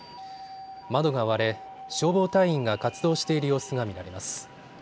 窓が割れ、消防隊員が活動している様子が見られます。